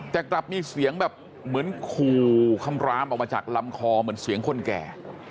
แต่กลับมีเสียงแบบเหมือนขู่คำรามออกมาจากลำคอเหมือนเสียงคนแก่